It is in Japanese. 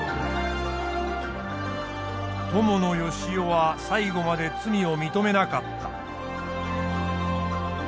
伴善男は最後まで罪を認めなかった。